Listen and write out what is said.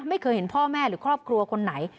ไม่เคยเห็นพ่อแม่หรือครอบครัวคนไหน